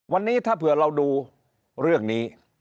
วันนี้ถ้าเผื่อเราดูเรื่องนี้